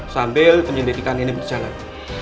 sambil penyelidikan ini berjalan